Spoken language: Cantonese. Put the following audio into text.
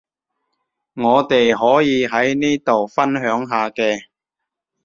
我哋可以喺呢度分享下嘅